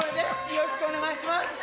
よろしくお願いします